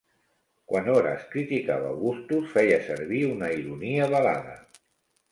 Quan Horace criticava Augustus, feia servir una ironia velada.